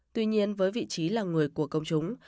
tuy nhiên với vị trí là người của công chúng